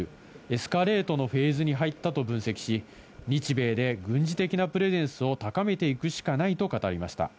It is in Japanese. エスカレートのフェーズに入ったと分析し、日米で軍事的なプレゼンスを高めていくしかないと語りました。